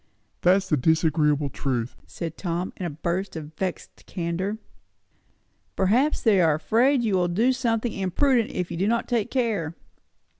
"That's the disagreeable truth!" said Tom in a burst of vexed candour. "Perhaps they are afraid you will do something imprudent if they do not take care."